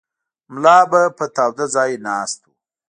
ملا به په تاوده ځای ناست و.